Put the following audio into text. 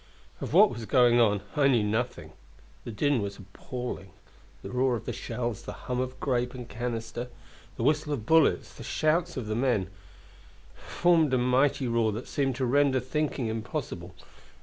Of what was going on I knew nothing. The din was appalling. The roar of the shells, the hum of grape and canister, the whistle of bullets, the shouts of the men, formed a mighty roar that seemed to render thinking impossible.